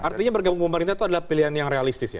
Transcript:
artinya bergabung pemerintah itu adalah pilihan yang realistis ya